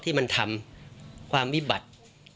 ที่มันทำความวิบัติ